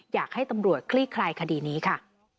อยากให้ตำรวจคลี่คลายคดีนี้ค่ะ